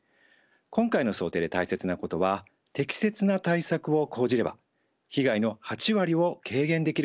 今回の想定で大切なことは適切な対策を講じれば被害の８割を軽減できることにあります。